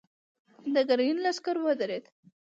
د ګرګين لښکر ودرېد.